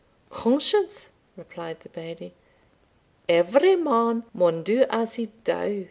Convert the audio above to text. "Conscience!" replied the Bailie, "every man maun do as he dow.